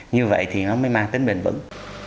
như vậy thì nó mới mang tính bền bững